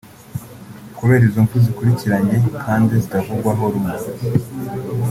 Kubera izo mpfu zikurikiranye kandi zitavugwaho rumwe